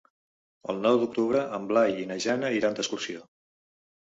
El nou d'octubre en Blai i na Jana iran d'excursió.